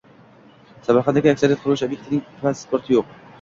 Samarqanddagi aksariyat qurilish ob’ektining pasporti yo‘q